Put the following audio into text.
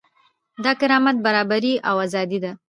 دا کرامت، برابري او ازادي ده.